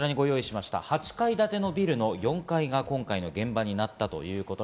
８階建てのビルの４階が今回の現場になりました。